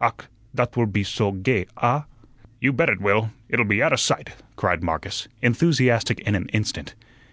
Ach, dot wull be soh gay, ah?" "You bet it will. It'll be outa sight," cried Marcus, enthusiastic in an instant.